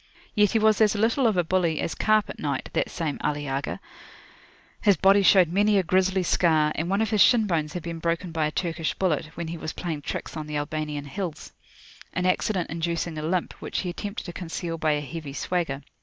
Yet he was as little of a bully as carpet knight, that same Ali Agha; his body showed many a grisly scar, and one of his shin bones had been broken by a Turkish bullet, when he was playing tricks on the Albanian hills, an accident inducing a limp, which he attempted to conceal by a heavy swagger.